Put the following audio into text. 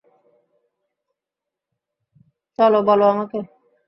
চলো, বলো আমাকে।